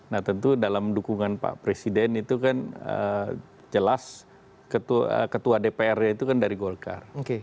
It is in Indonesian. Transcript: nah tentu dalam dukungan pak presiden itu kan jelas ketua dpr itu kan dari golkar